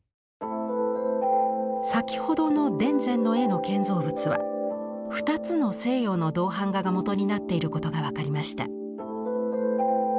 先ほどの田善の絵の建造物は２つの西洋の銅版画が元になっていることが分かりました。